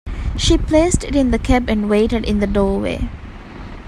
She placed it in the cab and waited in the doorway.